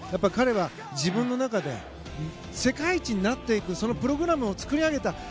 彼は自分の中で世界一になっていくそのプログラムを作り上げた。